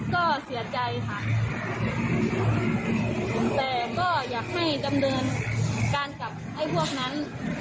ก็เสียใจค่ะแต่ก็อยากให้ดำเนินการกับให้พวกนั้น